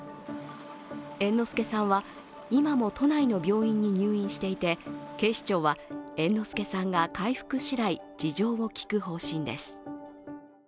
猿之助さんは今も都内の病院に入院していて警視庁は猿之助さんが回復しだい事情を聴く方針です。